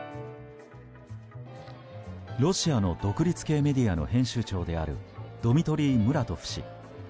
ロシアの独立系メディアの編集長であるドミトリー・ムラトフ氏。